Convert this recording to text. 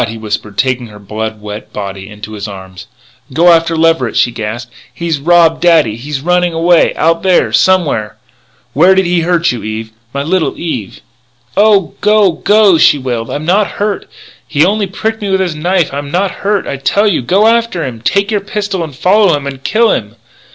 he whispered, taking her blood wet body into his arms. "Go after Leverett," she gasped. "He's robbed daddy. He's running away out there somewhere " "Where did he hurt you, Eve my little Eve " "Oh, go! go!" she wailed, "I'm not hurt. He only pricked me with his knife. I'm not hurt, I tell you. Go after him! Take your pistol and follow him and kill him!"